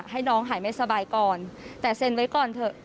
ให้น้องหายไม่สบายก่อนแต่เซ็นไว้ก่อนเถอะ